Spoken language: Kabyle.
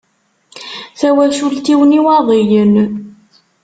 Tawacult-iw n Iwaḍiyen.